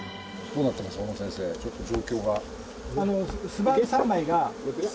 ちょっと状況が。